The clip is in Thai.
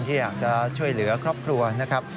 ที่อยากจะช่วยเหลือครอบครัวนะครับ